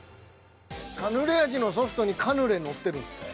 カヌレ味のソフトにカヌレのってるんすね？